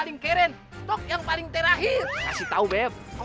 bener kok yang ini nailah sumpah